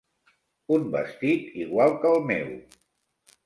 Un vestit igual que el meu.